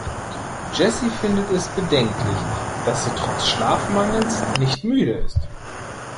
Jessy findet es bedenklich, dass sie trotz Schlafmangels nicht müde ist.